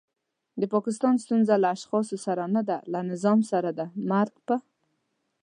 د پاکستان ستونزه له اشخاصو سره نده له نظام سره دی. مرګ په